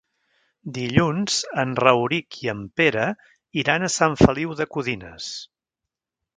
Dilluns en Rauric i en Pere iran a Sant Feliu de Codines.